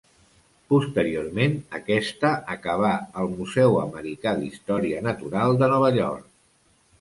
Posteriorment aquesta acabà al Museu Americà d'Història Natural de Nova York.